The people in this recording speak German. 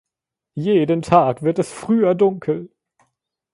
Jeden Tag wird es früher dunkel.